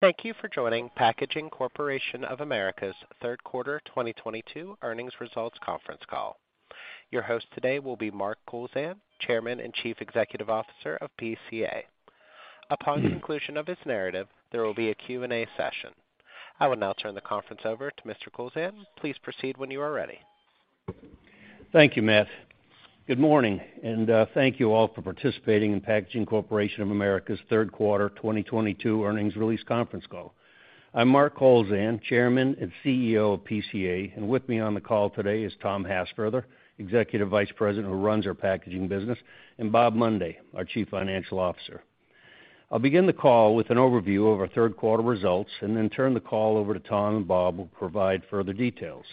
Thank you for joining Packaging Corporation of America's third quarter 2022 earnings results conference call. Your host today will be Mark Kowlzan, Chairman and Chief Executive Officer of PCA. Upon the conclusion of his narrative, there will be a Q&A session. I will now turn the conference over to Mr. Kowlzan. Please proceed when you are ready. Thank you, Matt. Good morning, and thank you all for participating in Packaging Corporation of America's third quarter 2022 earnings release conference call. I'm Mark Kowlzan, Chairman and CEO of PCA, and with me on the call today is Tom Hassfurther, Executive Vice President who runs our packaging business, and Bob Mundy, our Chief Financial Officer. I'll begin the call with an overview of our third quarter results and then turn the call over to Tom and Bob, who will provide further details.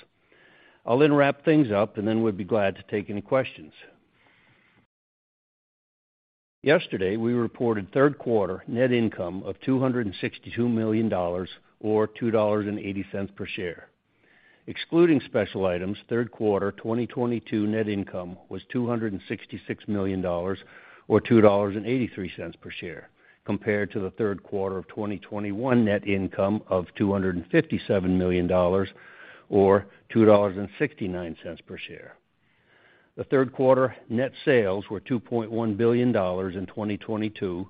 I'll then wrap things up, and then we'd be glad to take any questions. Yesterday, we reported third quarter net income of $262 million or $2.80 per share. Excluding special items, third quarter 2022 net income was $266 million or $2.83 per share, compared to the third quarter of 2021 net income of $257 million or $2.69 per share. The third quarter net sales were $2.1 billion in 2022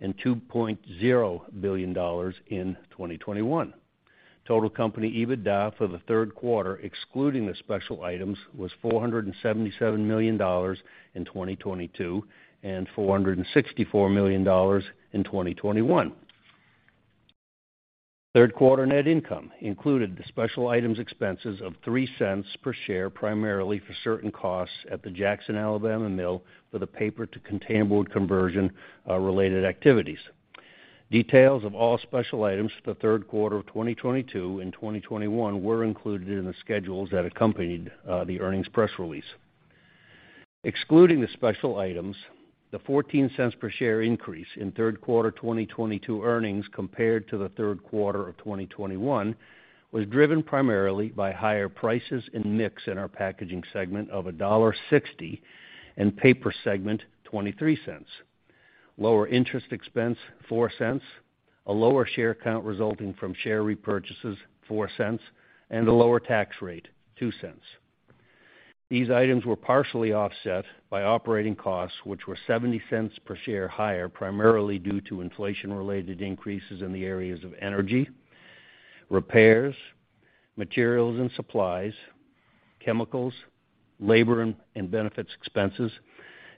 and $2.0 billion in 2021. Total company EBITDA for the third quarter, excluding the special items, was $477 million in 2022 and $464 million in 2021. Third quarter net income included the special items expenses of $0.03 per share, primarily for certain costs at the Jackson, Alabama mill for the paper to containerboard conversion, related activities. Details of all special items for the third quarter of 2022 and 2021 were included in the schedules that accompanied the earnings press release. Excluding the special items, the $0.14 per share increase in third quarter 2022 earnings compared to the third quarter of 2021 was driven primarily by higher prices and mix in our packaging segment of $1.60 and paper segment 23 cents. Lower interest expense, four cents, a lower share count resulting from share repurchases, four cents, and a lower tax rate, two cents. These items were partially offset by operating costs, which were 70 cents per share higher, primarily due to inflation-related increases in the areas of energy, repairs, materials and supplies, chemicals, labor and benefits expenses,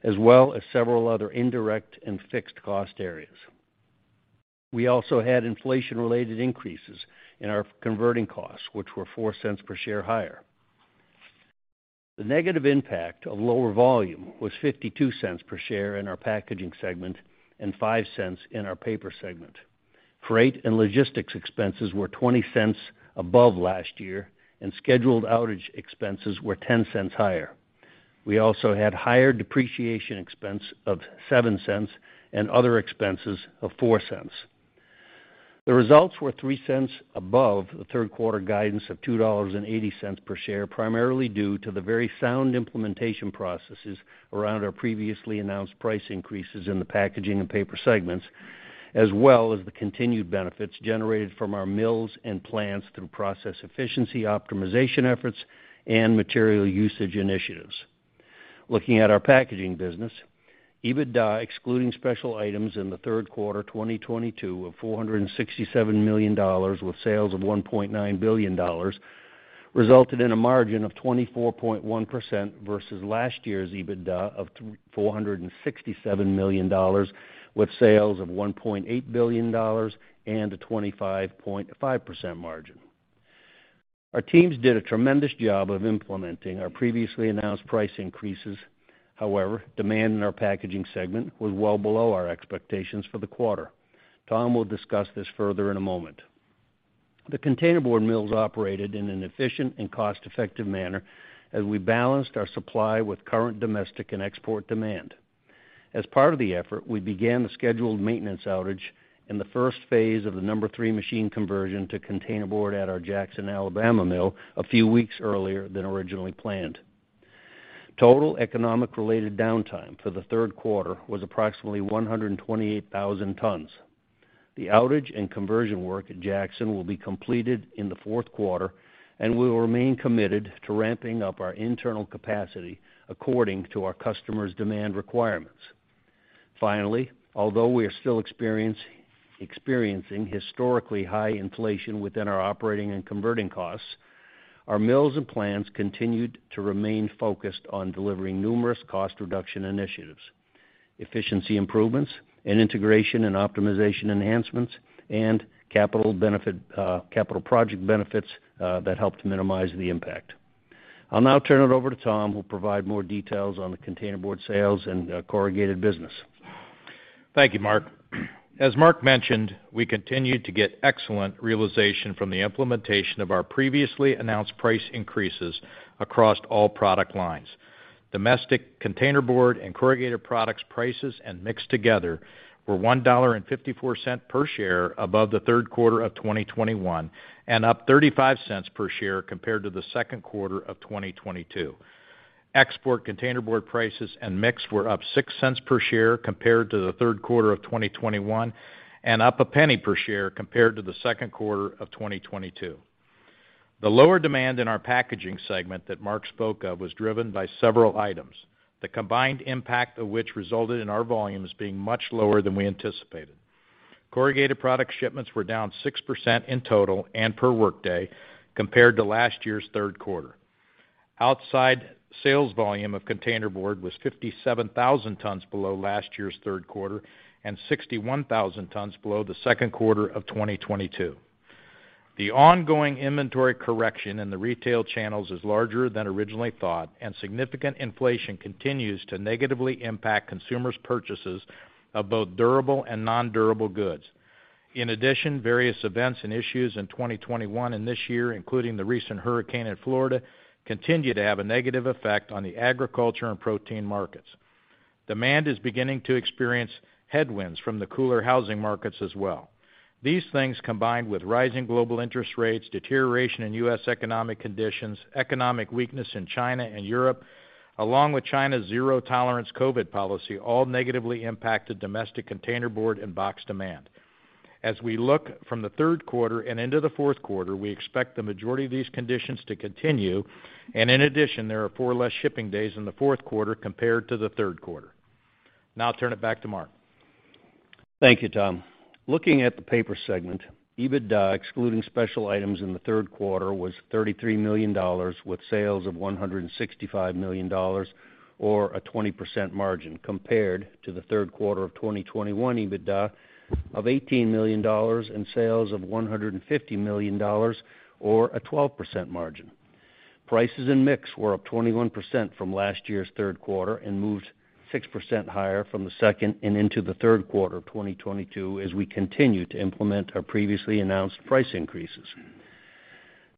as well as several other indirect and fixed cost areas. We also had inflation-related increases in our converting costs, which were $0.04 per share higher. The negative impact of lower volume was $0.52 per share in our packaging segment and $0.05 in our paper segment. Freight and logistics expenses were $0.20 above last year, and scheduled outage expenses were $0.10 higher. We also had higher depreciation expense of $0.07 and other expenses of $0.04. The results were $0.03 above the third quarter guidance of $2.80 per share, primarily due to the very sound implementation processes around our previously announced price increases in the packaging and paper segments, as well as the continued benefits generated from our mills and plants through process efficiency optimization efforts and material usage initiatives. Looking at our packaging business, EBITDA excluding special items in the third quarter 2022 of $467 million with sales of $1.9 billion resulted in a margin of 24.1% versus last year's EBITDA of four hundred and sixty-seven million dollars with sales of $1.8 billion and a 25.5% margin. Our teams did a tremendous job of implementing our previously announced price increases. However, demand in our packaging segment was well below our expectations for the quarter. Tom will discuss this further in a moment. The containerboard mills operated in an efficient and cost-effective manner as we balanced our supply with current domestic and export demand. As part of the effort, we began the scheduled maintenance outage in the first phase of the number three machine conversion to containerboard at our Jackson, Alabama mill a few weeks earlier than originally planned. Total economic-related downtime for the third quarter was approximately 128,000 tons. The outage and conversion work at Jackson will be completed in the fourth quarter, and we will remain committed to ramping up our internal capacity according to our customers' demand requirements. Finally, although we are still experiencing historically high inflation within our operating and converting costs, our mills and plants continued to remain focused on delivering numerous cost reduction initiatives, efficiency improvements, and integration and optimization enhancements, and capital project benefits that helped minimize the impact. I'll now turn it over to Tom, who will provide more details on the containerboard sales and corrugated business. Thank you, Mark. As Mark mentioned, we continued to get excellent realization from the implementation of our previously announced price increases across all product lines. Domestic containerboard and corrugated products prices and mix together were $1.54 per share above the third quarter of 2021, and up 35 cents per share compared to the second quarter of 2022. Export containerboard prices and mix were up $0.06 per share compared to the third quarter of 2021, and up $0.01 per share compared to the second quarter of 2022. The lower demand in our packaging segment that Mark spoke of was driven by several items, the combined impact of which resulted in our volumes being much lower than we anticipated. Corrugated product shipments were down 6% in total and per workday compared to last year's third quarter. Outside sales volume of containerboard was 57,000 tons below last year's third quarter and 61,000 tons below the second quarter of 2022. The ongoing inventory correction in the retail channels is larger than originally thought, and significant inflation continues to negatively impact consumers' purchases of both durable and nondurable goods. In addition, various events and issues in 2021 and this year, including the recent hurricane in Florida, continue to have a negative effect on the agriculture and protein markets. Demand is beginning to experience headwinds from the cooler housing markets as well. These things, combined with rising global interest rates, deterioration in U.S. economic conditions, economic weakness in China and Europe, along with China's zero-tolerance COVID policy, all negatively impacted domestic containerboard and box demand. As we look from the third quarter and into the fourth quarter, we expect the majority of these conditions to continue, and in addition, there are 4 less shipping days in the fourth quarter compared to the third quarter. Now I'll turn it back to Mark. Thank you, Tom. Looking at the paper segment, EBITDA excluding special items in the third quarter was $33 million with sales of $165 million or a 20% margin, compared to the third quarter of 2021 EBITDA of $18 million and sales of $150 million or a 12% margin. Prices and mix were up 21% from last year's third quarter and moved 6% higher from the second and into the third quarter of 2022 as we continue to implement our previously announced price increases.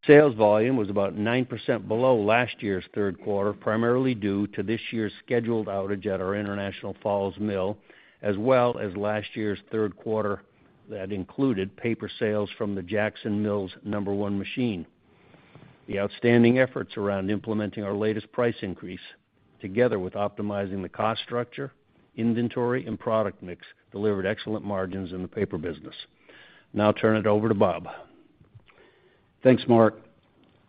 Sales volume was about 9% below last year's third quarter, primarily due to this year's scheduled outage at our International Falls mill, as well as last year's third quarter that included paper sales from the Jackson Mill's number one machine. The outstanding efforts around implementing our latest price increase, together with optimizing the cost structure, inventory, and product mix, delivered excellent margins in the paper business. Now I'll turn it over to Bob. Thanks, Mark.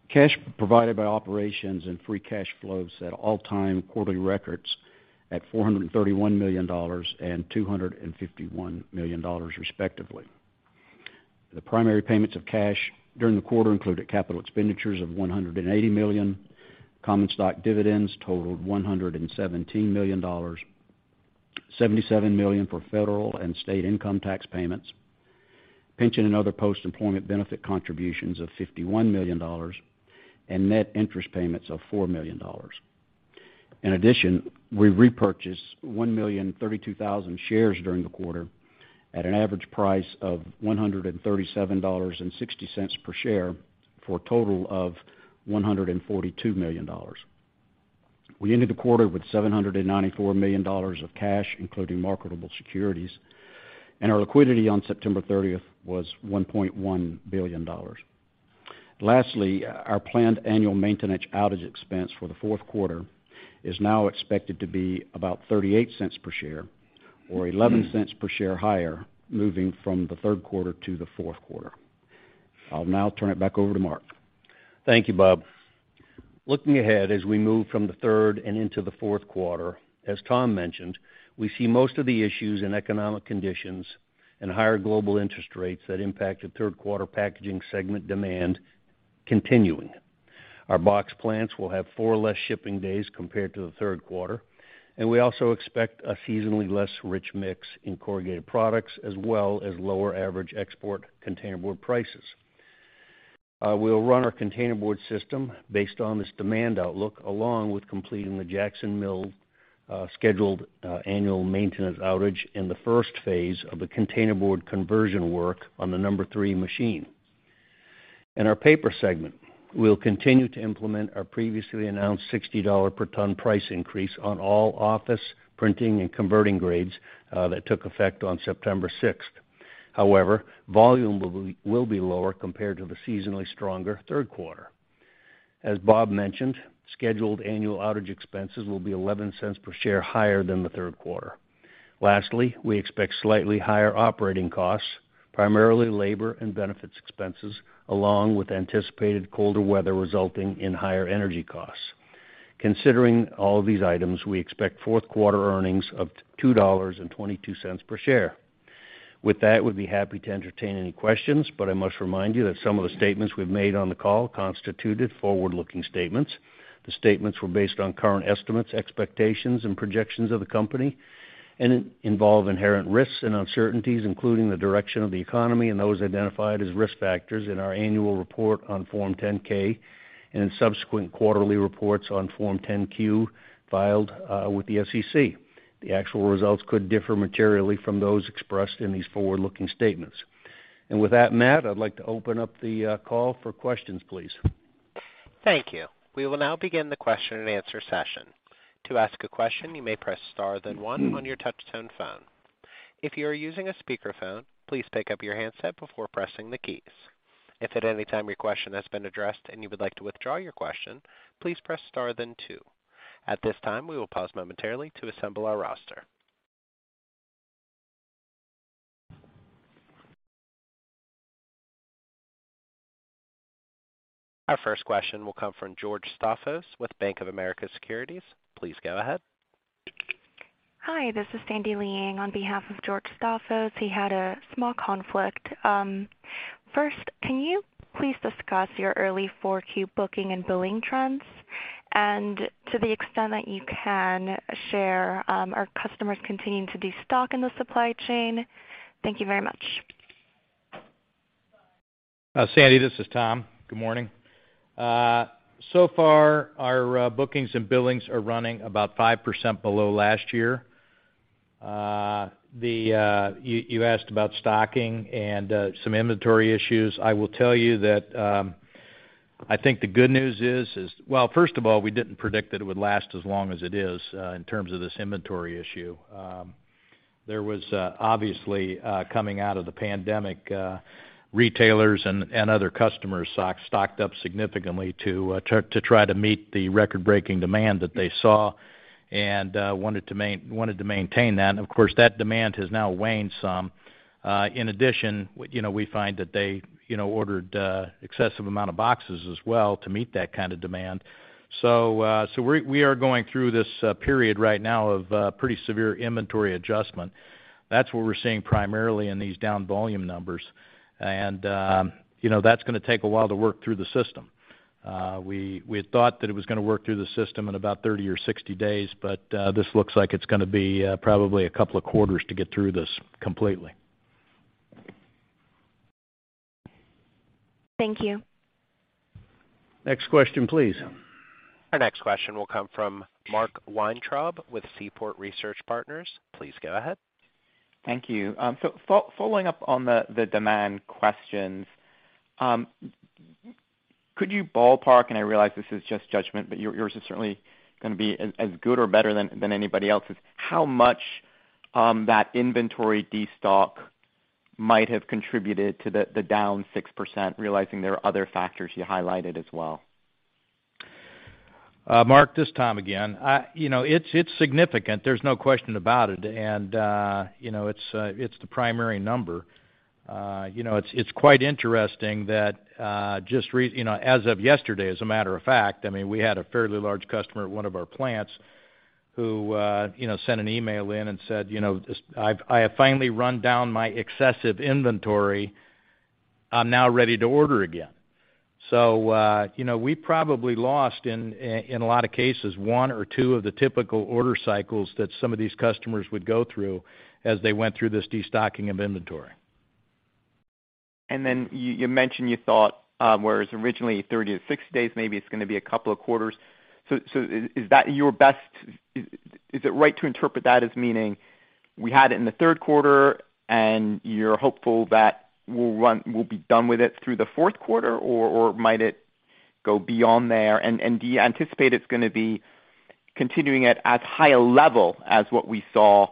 Cash provided by operations and free cash flows set all-time quarterly records at $431 million and $251 million, respectively. The primary payments of cash during the quarter included capital expenditures of $180 million, common stock dividends totaled $117 million, $77 million for federal and state income tax payments, pension and other post-employment benefit contributions of $51 million, and net interest payments of $4 million. In addition, we repurchased 1,032,000 shares during the quarter at an average price of $137.60 per share for a total of $142 million. We ended the quarter with $794 million of cash, including marketable securities, and our liquidity on September thirtieth was $1.1 billion. Lastly, our planned annual maintenance outage expense for the fourth quarter is now expected to be about $0.38 per share or $0.11 per share higher, moving from the third quarter to the fourth quarter. I'll now turn it back over to Mark. Thank you, Bob. Looking ahead as we move from the third and into the fourth quarter, as Tom mentioned, we see most of the issues in economic conditions and higher global interest rates that impacted third quarter packaging segment demand continuing. Our box plants will have four less shipping days compared to the third quarter, and we also expect a seasonally less rich mix in corrugated products, as well as lower average export containerboard prices. We'll run our containerboard system based on this demand outlook, along with completing the Jackson Mill scheduled annual maintenance outage in the first phase of the containerboard conversion work on the number three machine. In our paper segment, we'll continue to implement our previously announced $60 per ton price increase on all office printing and converting grades that took effect on September sixth. However, volume will be lower compared to the seasonally stronger third quarter. As Bob mentioned, scheduled annual outage expenses will be $0.11 per share higher than the third quarter. Lastly, we expect slightly higher operating costs, primarily labor and benefits expenses, along with anticipated colder weather resulting in higher energy costs. Considering all these items, we expect fourth quarter earnings of $2.22 per share. With that, we'd be happy to entertain any questions, but I must remind you that some of the statements we've made on the call constituted forward-looking statements. The statements were based on current estimates, expectations, and projections of the company and involve inherent risks and uncertainties, including the direction of the economy and those identified as risk factors in our annual report on Form 10-K and in subsequent quarterly reports on Form 10-Q filed with the SEC. The actual results could differ materially from those expressed in these forward-looking statements. With that, Matt, I'd like to open up the call for questions, please. Thank you. We will now begin the question and answer session. To ask a question, you may press star then one on your touch-tone phone. If you are using a speakerphone, please pick up your handset before pressing the keys. If at any time your question has been addressed and you would like to withdraw your question, please press star then two. At this time, we will pause momentarily to assemble our roster. Our first question will come from George Staphos with Bank of America Securities. Please go ahead. Hi, this is Sandy Liang on behalf of George Staphos. He had a small conflict. First, can you please discuss your early 4Q booking and billing trends? To the extent that you can share, are customers continuing to destock in the supply chain? Thank you very much. Sandy, this is Tom. Good morning. So far, our bookings and billings are running about 5% below last year. You asked about stocking and some inventory issues. I will tell you that, I think the good news is. Well, first of all, we didn't predict that it would last as long as it is, in terms of this inventory issue. There was, obviously, coming out of the pandemic, retailers and other customers stocked up significantly to try to meet the record-breaking demand that they saw and wanted to maintain that. Of course, that demand has now waned some. In addition, you know, we find that they, you know, ordered excessive amount of boxes as well to meet that kind of demand. We're going through this period right now of pretty severe inventory adjustment. That's what we're seeing primarily in these down volume numbers. You know, that's gonna take a while to work through the system. We had thought that it was gonna work through the system in about 30 or 60 days, but this looks like it's gonna be probably a couple of quarters to get through this completely. Thank you. Next question, please. Our next question will come from Mark Weintraub with Seaport Research Partners. Please go ahead. Thank you. Following up on the demand questions, could you ballpark, and I realize this is just judgment, but yours is certainly gonna be as good or better than anybody else's, how much that inventory destock might have contributed to the down 6%, realizing there are other factors you highlighted as well? Mark, this is Tom again. You know, it's significant. There's no question about it. You know, it's the primary number. You know, it's quite interesting that, you know, as of yesterday, as a matter of fact, I mean, we had a fairly large customer at one of our plants who, you know, sent an email in and said, you know, "Just, I have finally run down my excessive inventory. I'm now ready to order again." You know, we probably lost, in a lot of cases, one or two of the typical order cycles that some of these customers would go through as they went through this destocking of inventory. Then you mentioned you thought, whereas originally 30-60 days, maybe it's gonna be a couple of quarters. Is that your best? Is it right to interpret that as meaning we had it in the third quarter, and you're hopeful that we'll be done with it through the fourth quarter, or might it go beyond there? Do you anticipate it's gonna be continuing at as high a level as what we saw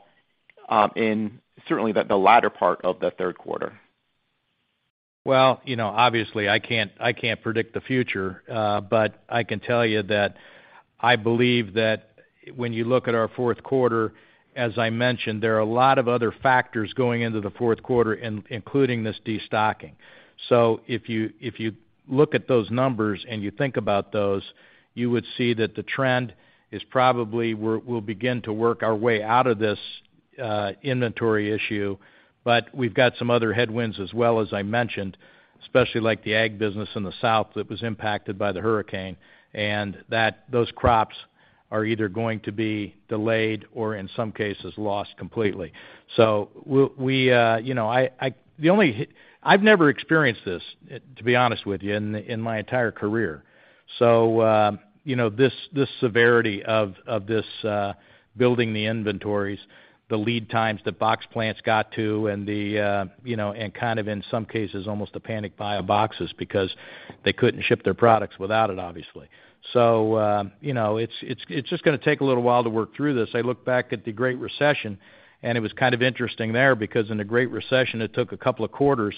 in certainly the latter part of the third quarter? Well, you know, obviously, I can't predict the future, but I can tell you that I believe that when you look at our fourth quarter, as I mentioned, there are a lot of other factors going into the fourth quarter including this destocking. If you look at those numbers and you think about those, you would see that the trend is probably we'll begin to work our way out of this inventory issue. But we've got some other headwinds as well, as I mentioned, especially like the ag business in the South that was impacted by the hurricane, and that those crops are either going to be delayed or in some cases lost completely. We, you know, I've never experienced this, to be honest with you, in my entire career. You know, this severity of this building the inventories, the lead times the box plants got to and kind of in some cases almost a panic buy of boxes because they couldn't ship their products without it, obviously. It's just gonna take a little while to work through this. I look back at the Great Recession, and it was kind of interesting there because in the Great Recession, it took a couple of quarters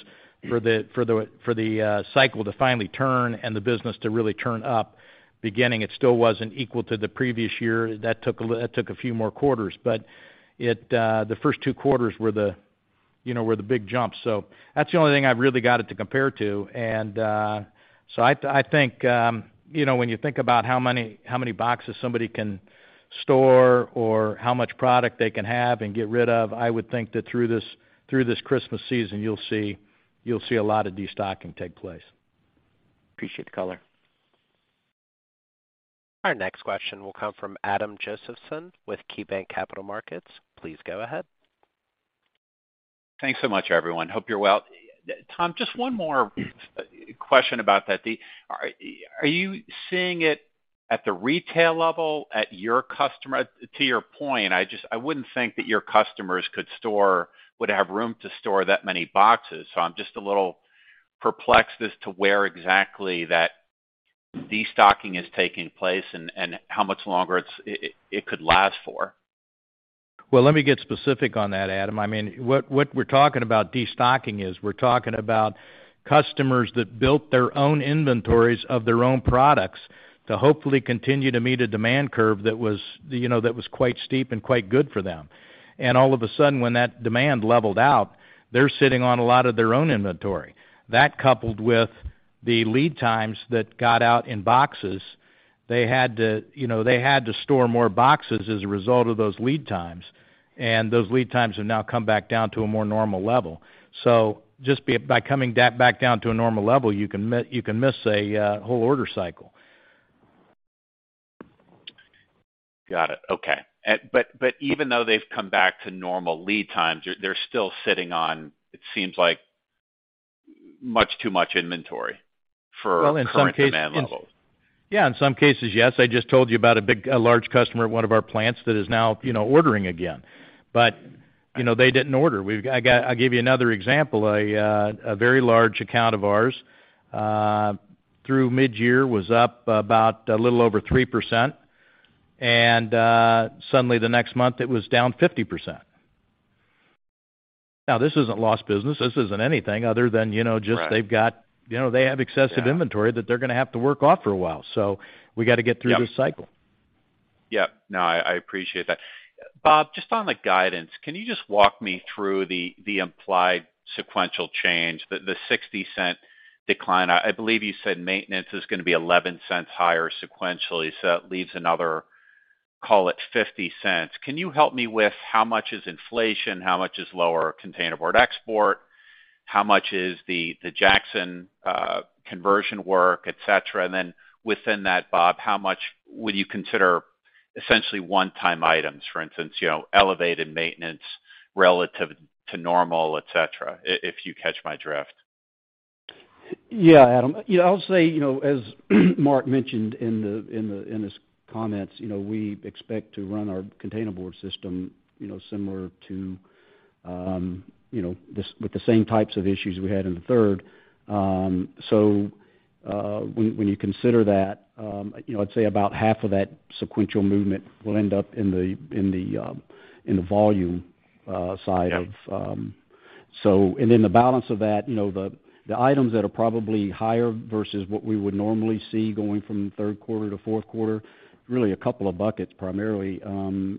for the cycle to finally turn and the business to really turn up. Beginning, it still wasn't equal to the previous year. That took a few more quarters. The first two quarters were the big jumps. That's the only thing I've really got it to compare to. I think, you know, when you think about how many boxes somebody can store or how much product they can have and get rid of, I would think that through this Christmas season, you'll see a lot of destocking take place. Appreciate the color. Our next question will come from Adam Josephson with KeyBanc Capital Markets. Please go ahead. Thanks so much, everyone. Hope you're well. Tom, just one more question about that. Are you seeing it at the retail level at your customer? To your point, I wouldn't think that your customers would have room to store that many boxes. I'm just a little perplexed as to where exactly that destocking is taking place and how much longer it could last for? Well, let me get specific on that, Adam. I mean, what we're talking about destocking is we're talking about customers that built their own inventories of their own products to hopefully continue to meet a demand curve that was, you know, that was quite steep and quite good for them. All of a sudden, when that demand leveled out, they're sitting on a lot of their own inventory. That coupled with the lead times that got out in boxes, they had to, you know, they had to store more boxes as a result of those lead times, and those lead times have now come back down to a more normal level. Just by coming down, back down to a normal level, you can miss a whole order cycle. Got it. Okay. Even though they've come back to normal lead times, they're still sitting on, it seems like, much too much inventory for- Well, in some cases, yes. current demand levels. Yeah, in some cases, yes. I just told you about a large customer at one of our plants that is now, you know, ordering again. But, you know, they didn't order. I'll give you another example. A very large account of ours through midyear was up about a little over 3%. Suddenly the next month, it was down 50%. Now, this isn't lost business. This isn't anything other than, you know, just they've got. Right. You know, they have excessive. Yeah inventory that they're gonna have to work off for a while. We gotta get through. Yep this cycle. Yep. No, I appreciate that. Bob, just on the guidance, can you just walk me through the implied sequential change, the $0.60 decline? I believe you said maintenance is gonna be $0.11 higher sequentially, so that leaves another, call it $0.50. Can you help me with how much is inflation? How much is lower containerboard export? How much is the Jackson conversion work, et cetera? Within that, Bob, how much would you consider essentially one-time items, for instance, you know, elevated maintenance relative to normal, et cetera, if you catch my drift? Yeah, Adam. You know, I'll say, you know, as Mark mentioned in his comments, you know, we expect to run our containerboard system, you know, similar to, you know, with the same types of issues we had in the third. So, when you consider that, you know, I'd say about half of that sequential movement will end up in the volume side of- Yep... the balance of that, you know, the items that are probably higher versus what we would normally see going from third quarter to fourth quarter, really a couple of buckets, primarily,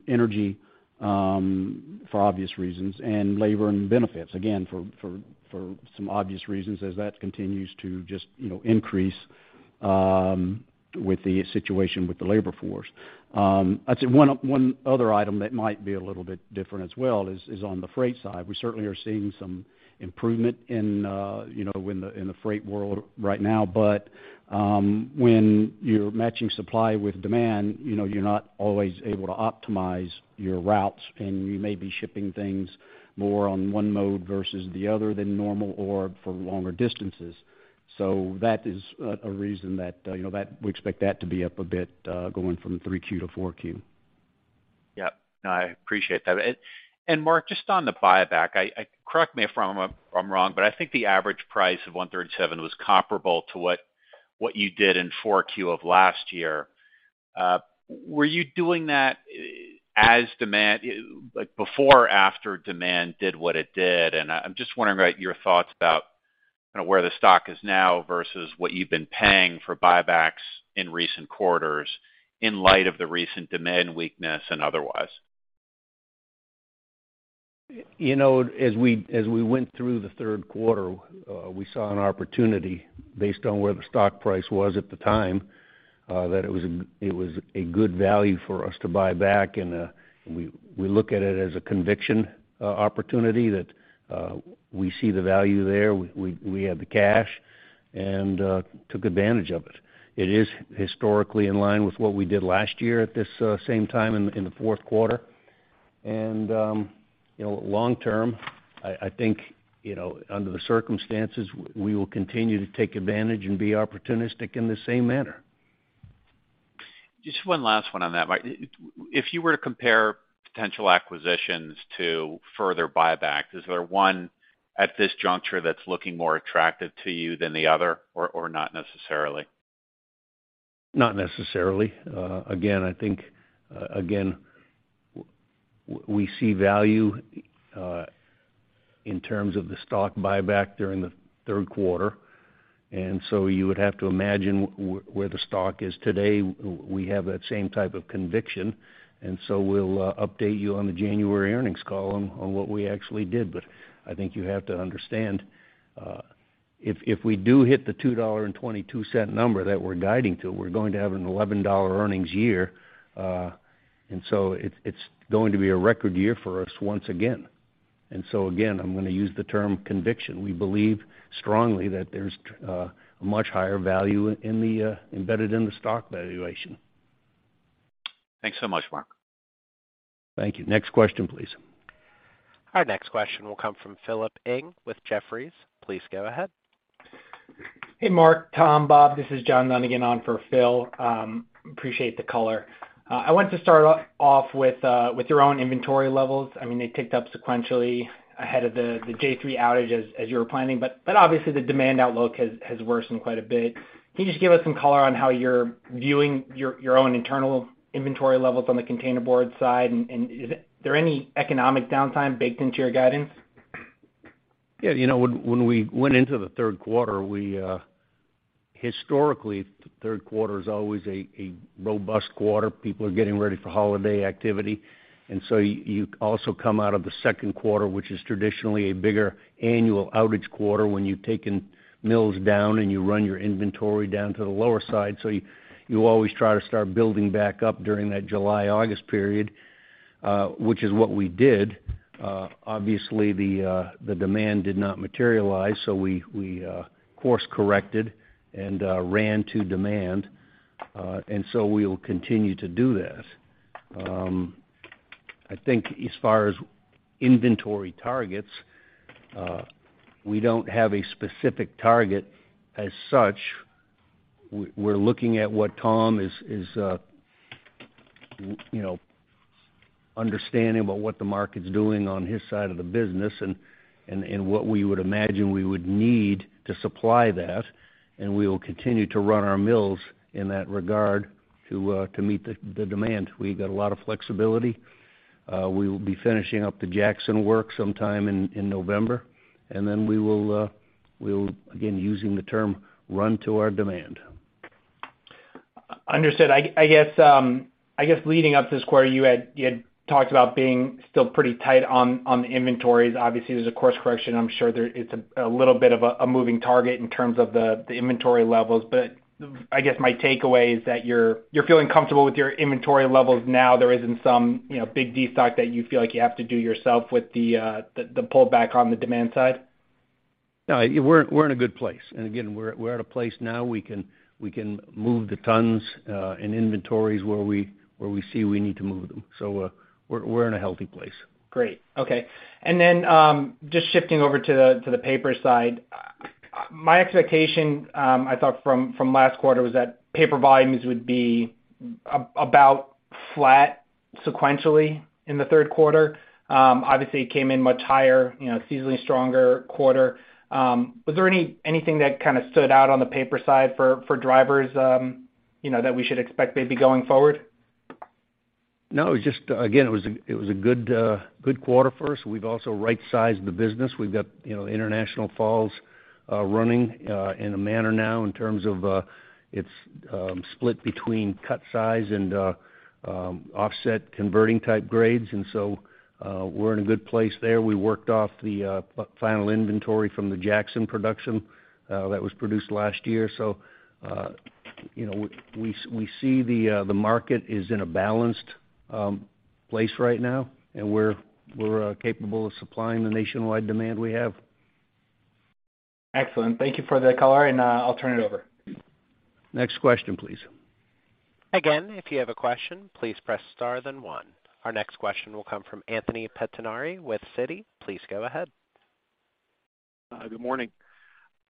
energy, for obvious reasons, and labor and benefits, again, for some obvious reasons as that continues to just, you know, increase, with the situation with the labor force. I'd say one other item that might be a little bit different as well is on the freight side. We certainly are seeing some improvement in, you know, in the freight world right now. But when you're matching supply with demand, you know, you're not always able to optimize your routes, and you may be shipping things more on one mode versus the other than normal or for longer distances. That is a reason that you know that we expect that to be up a bit, going from 3Q-4Q. Yep. No, I appreciate that. Mark, just on the buyback, correct me if I'm wrong, but I think the average price of $137 was comparable to what you did in 4Q of last year. Were you doing that as demand like, before or after demand did what it did? I'm just wondering about your thoughts about where the stock is now versus what you've been paying for buybacks in recent quarters in light of the recent demand weakness and otherwise. You know, as we went through the third quarter, we saw an opportunity based on where the stock price was at the time, that it was a good value for us to buy back. We look at it as a conviction opportunity that we see the value there. We had the cash and took advantage of it. It is historically in line with what we did last year at this same time in the fourth quarter. You know, long term, I think, under the circumstances, we will continue to take advantage and be opportunistic in the same manner. Just one last one on that. Like, if you were to compare potential acquisitions to further buybacks, is there one at this juncture that's looking more attractive to you than the other, or not necessarily? Not necessarily. Again, I think, again, we see value in terms of the stock buyback during the third quarter. You would have to imagine where the stock is today, we have that same type of conviction. We'll update you on the January earnings call on what we actually did. I think you have to understand, if we do hit the $2.22 number that we're guiding to, we're going to have an $11 earnings year. It's going to be a record year for us once again. Again, I'm gonna use the term conviction. We believe strongly that there's a much higher value embedded in the stock valuation. Thanks so much, Mark. Thank you. Next question, please. Our next question will come from Philip Ng with Jefferies. Please go ahead. Hey, Mark, Tom, Bob, this is John Dunigan on for Phil. Appreciate the color. I want to start off with your own inventory levels. I mean, they ticked up sequentially ahead of the J3 outage as you were planning, but obviously, the demand outlook has worsened quite a bit. Can you just give us some color on how you're viewing your own internal inventory levels on the containerboard side? Is there any economic downtime baked into your guidance? You know, when we went into the third quarter, historically, the third quarter is always a robust quarter. People are getting ready for holiday activity. You also come out of the second quarter, which is traditionally a bigger annual outage quarter when you've taken mills down, and you run your inventory down to the lower side. You always try to start building back up during that July-August period, which is what we did. Obviously, the demand did not materialize, so we course-corrected and ran to demand. We'll continue to do that. I think as far as inventory targets, we don't have a specific target as such. We're looking at what Tom is you know understanding about what the market's doing on his side of the business and what we would imagine we would need to supply that, and we will continue to run our mills in that regard to meet the demand. We've got a lot of flexibility. We will be finishing up the Jackson work sometime in November. Then we will again using the term run to our demand. Understood. I guess leading up to this quarter, you had talked about being still pretty tight on the inventories. Obviously, there's a course correction. I'm sure it's a little bit of a moving target in terms of the inventory levels. I guess my takeaway is that you're feeling comfortable with your inventory levels now. There isn't some, you know, big destock that you feel like you have to do yourself with the pullback on the demand side. No, we're in a good place. Again, we're at a place now we can move the tons and inventories where we see we need to move them. We're in a healthy place. Great. Okay. Then, just shifting over to the paper side. My expectation, I thought from last quarter was that paper volumes would be about flat sequentially in the third quarter. Obviously, it came in much higher, you know, seasonally stronger quarter. Was there anything that kind of stood out on the paper side for drivers, you know, that we should expect maybe going forward? No, it was just, again, it was a good quarter for us. We've also right-sized the business. We've got, you know, International Falls running in a manner now in terms of, it's split between cut size and offset converting type grades. We're in a good place there. We worked off the parent roll inventory from the Jackson production that was produced last year. You know, we see the market is in a balanced place right now, and we're capable of supplying the nationwide demand we have. Excellent. Thank you for the color, and, I'll turn it over. Next question, please. Again, if you have a question, please press star then one. Our next question will come from Anthony Pettinari with Citi. Please go ahead. Good morning.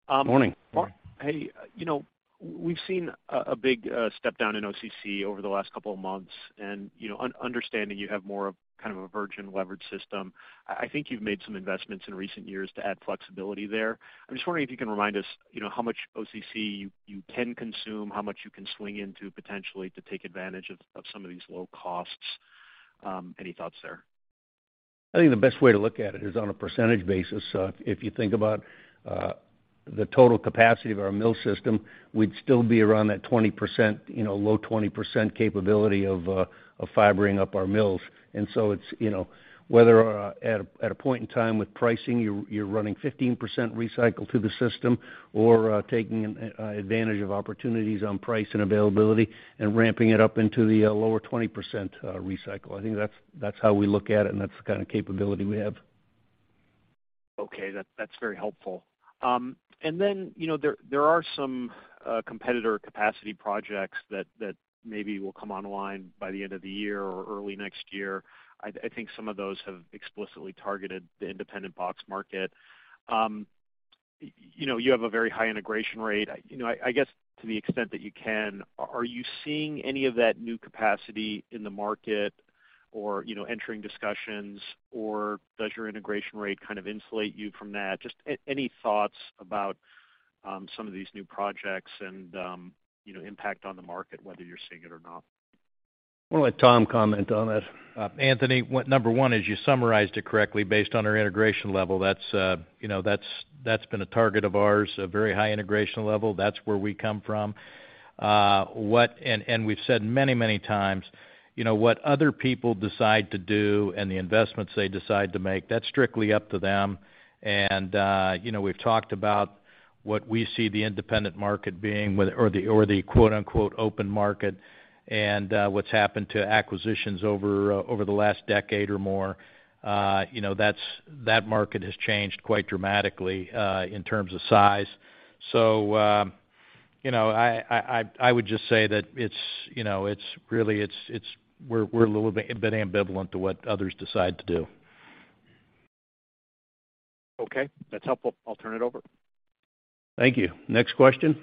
Morning. Mark, hey, you know, we've seen a big step down in OCC over the last couple of months, and, you know, understanding you have more of kind of a virgin leverage system, I think you've made some investments in recent years to add flexibility there. I'm just wondering if you can remind us, you know, how much OCC you can consume, how much you can swing into potentially to take advantage of some of these low costs. Any thoughts there? I think the best way to look at it is on a percentage basis. If you think about the total capacity of our mill system, we'd still be around that 20%, you know, low 20% capability of fibering up our mills. It's, you know, whether at a point in time with pricing, you're running 15% recycle through the system or taking an advantage of opportunities on price and availability and ramping it up into the lower 20% recycle. I think that's how we look at it, and that's the kind of capability we have. Okay. That's very helpful. You know, there are some competitor capacity projects that maybe will come online by the end of the year or early next year. I think some of those have explicitly targeted the independent box market. You know, you have a very high integration rate. You know, I guess to the extent that you can, are you seeing any of that new capacity in the market or, you know, entering discussions, or does your integration rate kind of insulate you from that? Just any thoughts about some of these new projects and, you know, impact on the market, whether you're seeing it or not. I'm gonna let Tom comment on that. Anthony, number one is you summarized it correctly based on our integration level. That's, you know, that's been a target of ours, a very high integration level. That's where we come from. And we've said many times, you know, what other people decide to do and the investments they decide to make, that's strictly up to them. You know, we've talked about what we see the independent market being, or the quote-unquote, open market, and what's happened to acquisitions over the last decade or more. You know, that market has changed quite dramatically in terms of size. You know, I would just say that it's, you know, it's really we're a little bit ambivalent to what others decide to do. Okay, that's helpful. I'll turn it over. Thank you. Next question.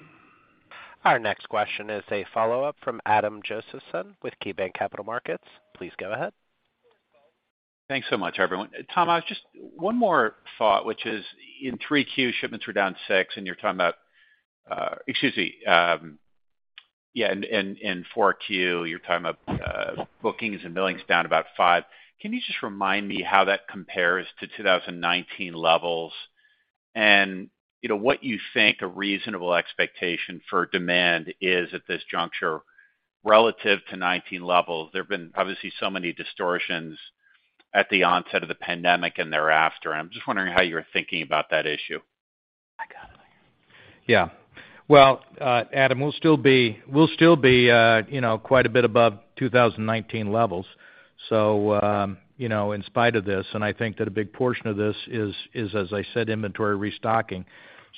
Our next question is a follow-up from Adam Josephson with KeyBanc Capital Markets. Please go ahead. Thanks so much, everyone. Tom, just one more thought, which is in 3Q, shipments were down 6%, and you're talking about in 4Q, bookings and billings down about 5%. Can you just remind me how that compares to 2019 levels? You know, what you think a reasonable expectation for demand is at this juncture relative to 2019 levels. There've been obviously so many distortions at the onset of the pandemic and thereafter. I'm just wondering how you're thinking about that issue. Yeah. Well, Adam, we'll still be, you know, quite a bit above 2019 levels, you know, in spite of this. I think that a big portion of this is, as I said, inventory restocking.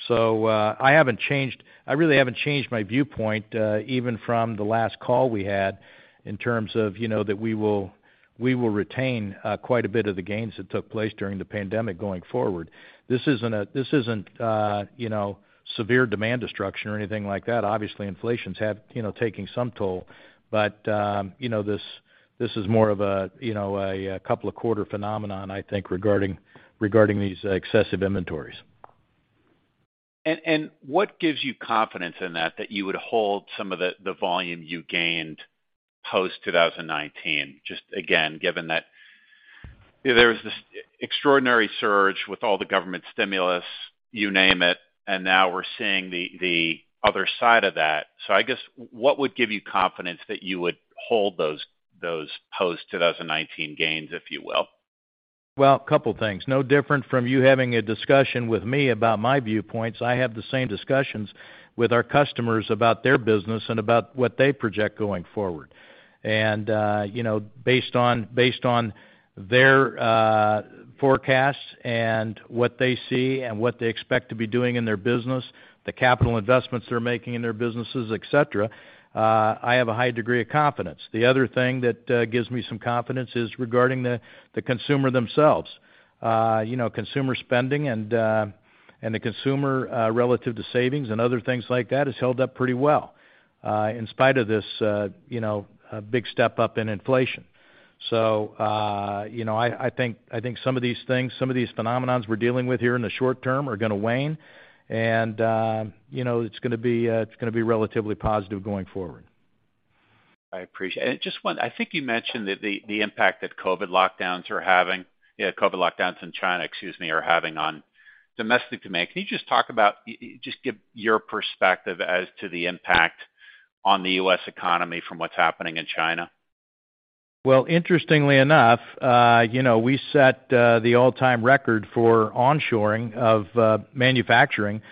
I really haven't changed my viewpoint even from the last call we had, in terms of, you know, that we will retain quite a bit of the gains that took place during the pandemic going forward. This isn't, you know, severe demand destruction or anything like that. Obviously, inflation has, you know, taken some toll. You know, this is more of a, you know, a couple of quarters phenomenon, I think, regarding these excessive inventories. What gives you confidence in that you would hold some of the volume you gained post-2019, just again, given that there was this extraordinary surge with all the government stimulus, you name it, and now we're seeing the other side of that. I guess what would give you confidence that you would hold those post-2019 gains, if you will? Well, a couple things. No different from you having a discussion with me about my viewpoints. I have the same discussions with our customers about their business and about what they project going forward. You know, based on their forecasts and what they see and what they expect to be doing in their business, the capital investments they're making in their businesses, et cetera, I have a high degree of confidence. The other thing that gives me some confidence is regarding the consumer themselves. You know, consumer spending and the consumer relative to savings and other things like that has held up pretty well in spite of this you know big step-up in inflation. you know, I think some of these things, some of these phenomena we're dealing with here in the short term are gonna wane and, you know, it's gonna be relatively positive going forward. I appreciate. Just one—I think you mentioned that the impact that COVID lockdowns in China, excuse me, are having on domestic demand. Can you just talk about, just give your perspective as to the impact on the U.S. economy from what's happening in China? Well, interestingly enough, you know, we set the all-time record for onshoring of manufacturing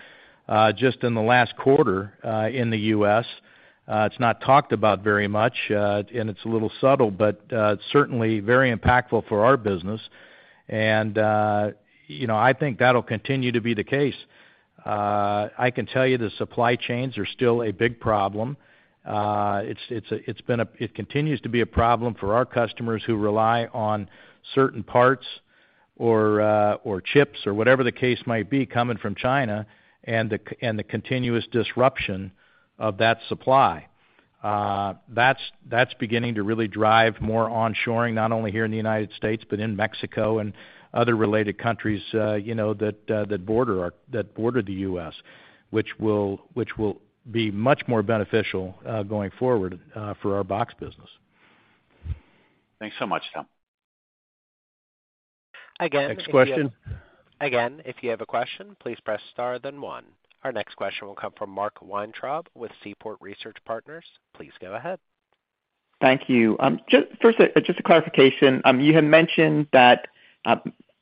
just in the last quarter in the U.S. It's not talked about very much, and it's a little subtle, but certainly very impactful for our business. You know, I think that'll continue to be the case. I can tell you the supply chains are still a big problem. It continues to be a problem for our customers who rely on certain parts or chips or whatever the case might be coming from China and the continuous disruption of that supply. That's beginning to really drive more onshoring, not only here in the United States, but in Mexico and other related countries, you know, that border the U.S., which will be much more beneficial, going forward, for our box business. Thanks so much, Tom. Again, if you have. Next question. Again, if you have a question, please press star then one. Our next question will come from Mark Weintraub with Seaport Research Partners. Please go ahead. Thank you. First, just a clarification. You had mentioned that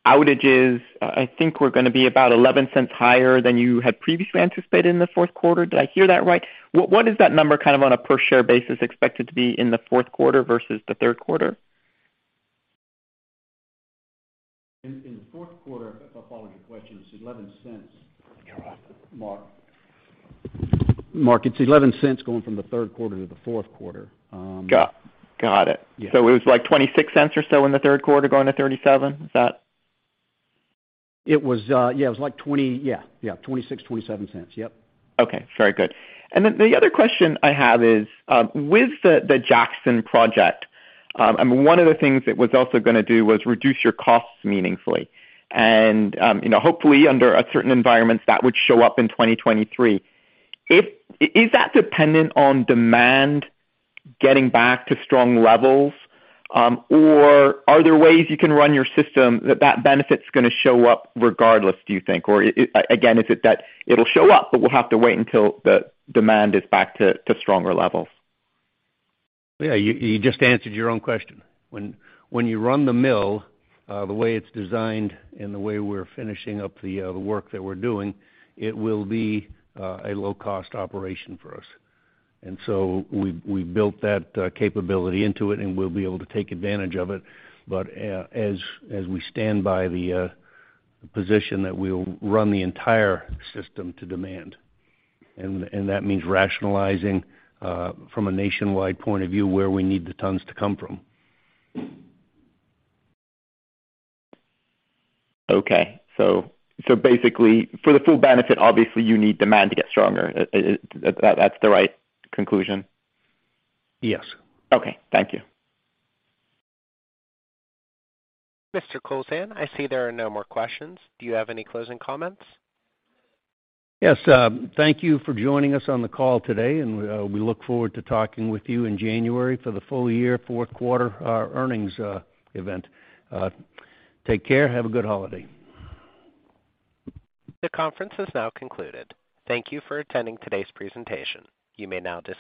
outages, I think, were gonna be about $0.11 higher than you had previously anticipated in the fourth quarter. Did I hear that right? What is that number kind of on a per share basis expected to be in the fourth quarter versus the third quarter? In the fourth quarter, if I follow your question, it's $0.11, Mark. It's $0.11 going from the third quarter to the fourth quarter. Got it. Yeah. It was like $0.26 or so in the third quarter going to $0.37. Is that? It was like $0.26-$0.27. Yep. Okay, very good. Then the other question I have is, with the Jackson project, and one of the things it was also gonna do was reduce your costs meaningfully. You know, hopefully, under certain environments, that would show up in 2023. Is that dependent on demand getting back to strong levels, or are there ways you can run your system that that benefit's gonna show up regardless, do you think? Or again, is it that it'll show up, but we'll have to wait until the demand is back to stronger levels? Yeah, you just answered your own question. When you run the mill, the way it's designed and the way we're finishing up the work that we're doing, it will be a low-cost operation for us. We built that capability into it, and we'll be able to take advantage of it. As we stand by the position that we'll run the entire system to demand, and that means rationalizing from a nationwide point of view, where we need the tons to come from. Okay. Basically for the full benefit, obviously you need demand to get stronger. That's the right conclusion? Yes. Okay. Thank you. Mr. Kowlzan, I see there are no more questions. Do you have any closing comments? Yes. Thank you for joining us on the call today, and we look forward to talking with you in January for the full year fourth quarter earnings event. Take care. Have a good holiday. The conference has now concluded. Thank you for attending today's presentation. You may now dis-